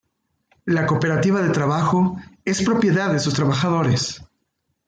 La cooperativa de trabajo es propiedad de sus trabajadores.